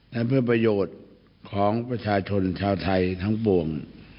และเพื่อประโยชน์ของประชาชนชาวไทยทั้งปวง